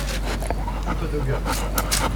trente deux gars.